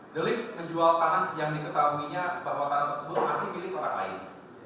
delik menjual tanah yang diketahuinya bahwa tanah tersebut masih milik orang lain